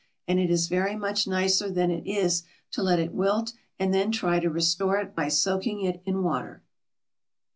And it is very much nicer than it is to let it wilt and then try to restore it by soaking it in water.